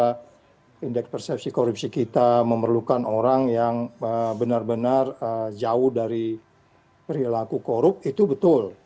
karena indeks persepsi korupsi kita memerlukan orang yang benar benar jauh dari perilaku korup itu betul